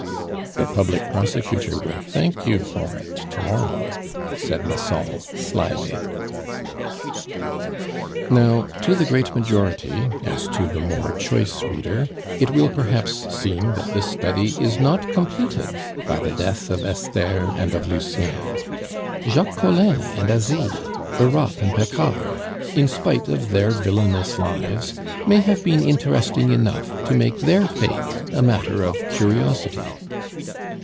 "The public prosecutor will thank you for it to morrow," said Massol slyly. Now to the great majority, as to the more choice reader, it will perhaps seem that this Study is not completed by the death of Esther and of Lucien; Jacques Collin and Asie, Europe and Paccard, in spite of their villainous lives, may have been interesting enough to make their fate a matter of curiosity.